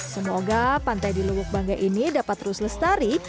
semoga pantai di lubuk bangga ini dapat terus lestari